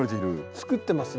つくってますね。